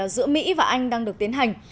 giữa mỹ và anh đang được tiến hành